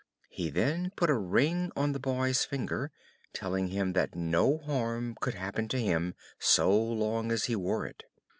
He then put a ring on the boy's finger, telling him that no harm could happen to him so long as he wore it.